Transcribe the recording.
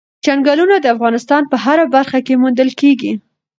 چنګلونه د افغانستان په هره برخه کې موندل کېږي.